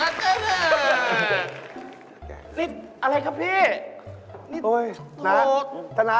แล้วบอดปลาสองคำ